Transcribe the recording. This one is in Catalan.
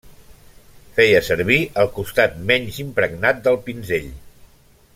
Feia servir el costat menys impregnat del pinzell.